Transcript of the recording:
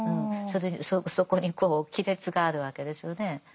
そこにこう亀裂があるわけですよね。